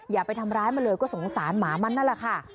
อย่าไปทำร้ายมันเลยก็สงสารหมามันนั่นแหละค่ะ